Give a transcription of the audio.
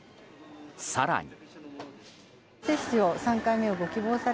更に。